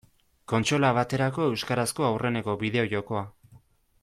Kontsola baterako euskarazko aurreneko bideo-jokoa.